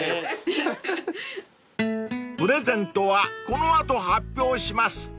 ［プレゼントはこの後発表します］